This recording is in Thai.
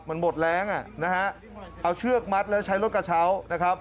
มันหมดแรงอ่ะนะฮะเอาเชือกมัดแล้วใช้รถกระเช้านะครับ